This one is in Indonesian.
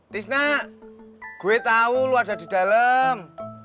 tis gue tau lo ada di dalam